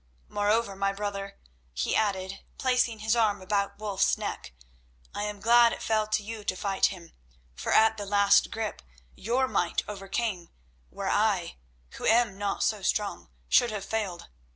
"Moreover, my brother," he added, placing his arm about Wulf's neck, "I am glad it fell to you to fight him, for at the last grip your might overcame, where I, who am not so strong, should have failed.